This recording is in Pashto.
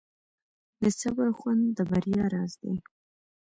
د صبر خوند د بریا راز دی.